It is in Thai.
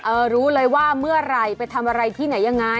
เออรู้เลยว่าเมื่ออะไรไปทำอะไรที่หน่อยยังไง